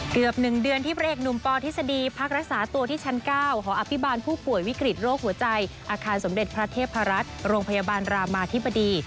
เกือบ๑เดือนที่พระเอกหนุ่มปทฤษฎีพักรักษาตัวที่ชั้น๙หออภิบาลผู้ป่วยวิกฤตโรคหัวใจอาคารสมเด็จพระเทพรัฐโรงพยาบาลรามาธิบดี